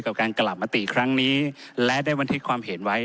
กับการกลับมาติครั้งนี้และได้บันทึกความเห็นไว้